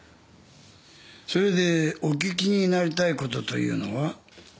それでお聞きになりたいことというのは？